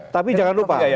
tapi jangan lupa